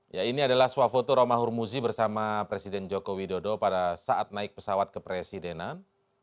ya ini adalah swafoto romahur muzi bersama presiden jokowi dodo pada saat naik pesawat ke presidenan